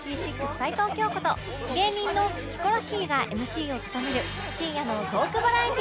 齊藤京子と芸人のヒコロヒーが ＭＣ を務める深夜のトークバラエティ！